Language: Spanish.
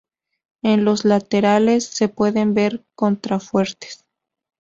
En los laterales se pueden ver contrafuertes.